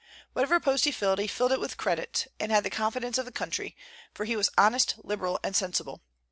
Whatever the post he filled, he filled it with credit, and had the confidence of the country; for he was honest, liberal, and sensible.